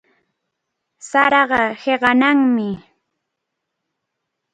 Saraqa hiqanaqmi.